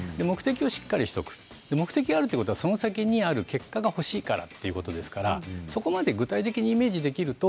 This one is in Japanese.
しっかりした目的があるということはその先にある結果が欲しいからということですからそこまで具体的にイメージできると。